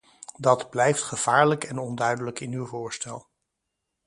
Dat blijft gevaarlijk en onduidelijk in uw voorstel.